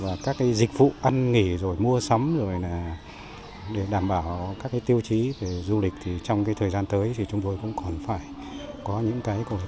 ví dụ như là các chỗ và các dịch vụ ăn nghỉ rồi mua sắm rồi là để đảm bảo các tiêu chí về du lịch thì trong thời gian tới thì chúng tôi cũng còn phải có những cơ hội